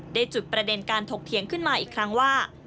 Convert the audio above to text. จุดประเด็นการถกเถียงขึ้นมาอีกครั้งว่า